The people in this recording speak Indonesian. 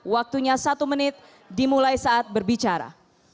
waktunya satu menit dimulai saat berbicara